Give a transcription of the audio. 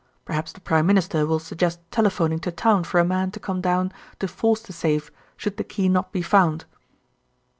Perhaps the Prime Minister will suggest telephoning to town for a man to come down to force the safe should the key not be found."